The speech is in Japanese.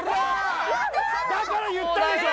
だから言ったでしょ！